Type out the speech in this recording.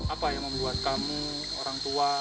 apa yang membuat kamu orang tua